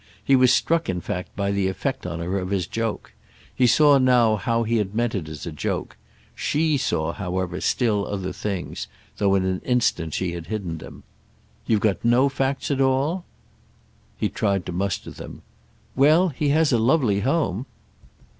He was struck in fact by the effect on her of his joke. He saw now how he meant it as a joke. She saw, however, still other things, though in an instant she had hidden them. "You've got at no facts at all?" He tried to muster them. "Well, he has a lovely home."